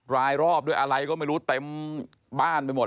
รายรอบด้วยอะไรก็ไม่รู้เต็มบ้านไปหมด